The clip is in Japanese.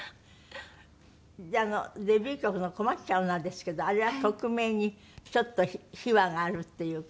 であのデビュー曲の『こまっちゃうナ』ですけどあれは曲名にちょっと秘話があるっていうか。